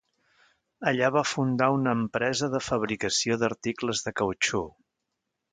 Allà va fundar una empresa de fabricació d'articles de cautxú.